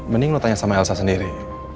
mending lo tanya sama elsa sendiri